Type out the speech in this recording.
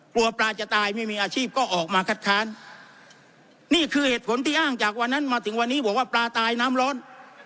กลัวปลาจะตายไม่มีอาชีพก็ออกมาคัดค้านนี่คือเหตุผลที่อ้างจากวันนั้นมาถึงวันนี้บอกว่าปลาตายน้ำร้อน